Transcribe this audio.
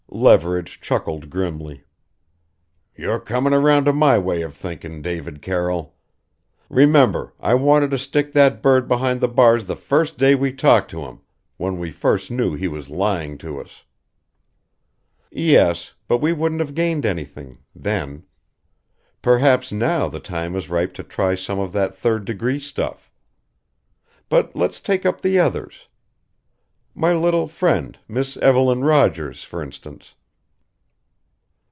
Leverage chuckled grimly. "You're coming around to my way of thinking, David Carroll. Remember, I wanted to stick that bird behind the bars the first day we talked to him when we first knew he was lying to us." "Yes but we wouldn't have gained anything then. Perhaps now the time is ripe to try some of that third degree stuff. But let's take up the others. My little friend, Miss Evelyn Rogers, for instance."